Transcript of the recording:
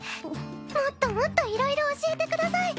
もっともっといろいろ教えてください。